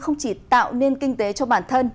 không chỉ tạo nên kinh tế cho bản thân